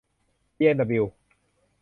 บีเอ็มดับบลิว